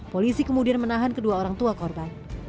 polisi kemudian menahan kedua orang tua korban